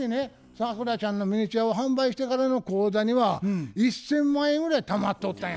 サクラちゃんのミニチュアを販売してからの口座には１，０００万円ぐらいたまっとったんや。